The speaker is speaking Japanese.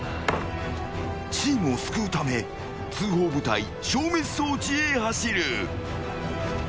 チームを救うため通報部隊消滅装置へ走る。